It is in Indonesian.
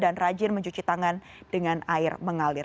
dan rajin mencuci tangan dengan air mengalir